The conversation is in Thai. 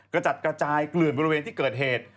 กระจัดกระจายเกลื่อนบริเวณที่เกิดเหตุ